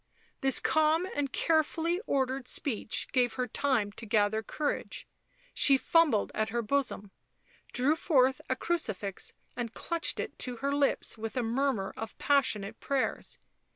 7 ; This calm and carefully ordered speech gave her time to gather courage ; she fumbled at her bosom, drew forth a crucifix and clutched it to her lips with a murmur of passionate prayers.